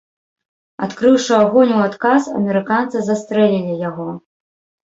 Адкрыўшы агонь у адказ, амерыканцы застрэлілі яго.